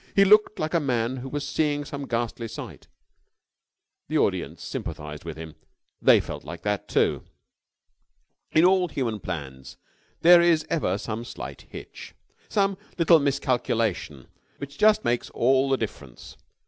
He looked like a man who was seeing some ghastly sight. The audience sympathised with him. They felt like that, too. In all human plans there is ever some slight hitch, some little miscalculation which just makes all the difference.